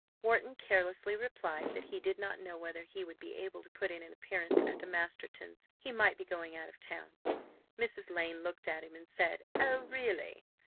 Wharton carelessly replied that he did not know whether he would be able to put in an appearance at the Mastertons'. He might be going out of town. Mrs. Lane looked at him and said, "Oh, really!"